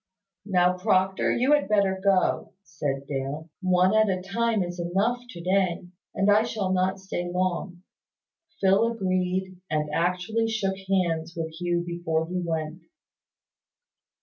"Now, Proctor, you had better go," said Dale. "One at a time is enough to day; and I shall not stay long." Phil agreed, and actually shook hands with Hugh before he went.